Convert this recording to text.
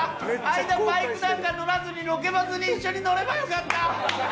間バイクなんか乗らずにロケバスに一緒に乗ればよかった！